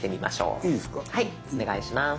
はいお願いします。